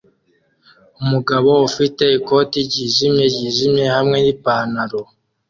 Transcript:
Umugabo ufite ikoti ryijimye ryijimye hamwe nipantaro